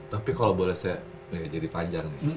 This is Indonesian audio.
tapi kalau boleh saya